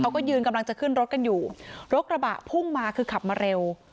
เขาก็ยืนกำลังจะขึ้นรถกันอยู่รถกระบะพุ่งมาคือขับมาเร็ว